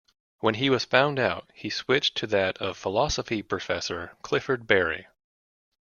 When he was found out, he switched to that of philosophy professor Clifford Berry.